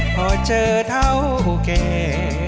พอเจอเท่าแก่